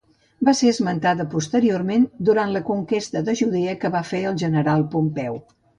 Va ser esmentada posteriorment durant la conquesta de Judea que va fer el general Pompeu.